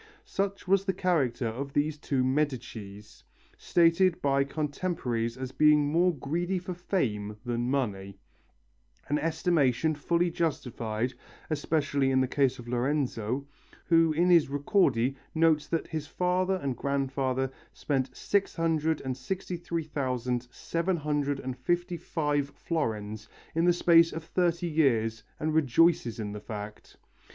Such was the character of these two Medicis, stated by contemporaries as being more greedy for fame than money. An estimation fully justified, especially in the case of Lorenzo, who in his Ricordi notes that his father and grandfather spent 663,755 florins in the space of thirty years and rejoices in the fact.